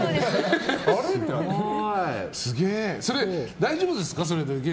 大丈夫ですか？